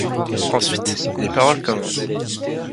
Ensuite, les paroles commencent.